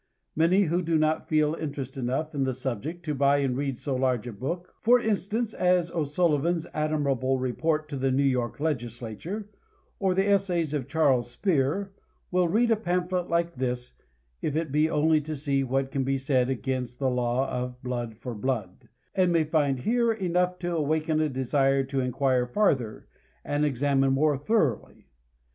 Many who do not feel interest enough in the subject to buy and read so large a book, for instance, as O'Sullivan's admirable Report to the New York Legislature, or the Essays of Charles Spear, will read a pamphlet like this, if it be only to see what can be said against the law of " blood for blood," and may find here enough to awaken a desire to inquire farther, and examine more thoroughly.